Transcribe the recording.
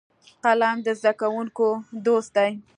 قلم د زده کوونکو دوست دی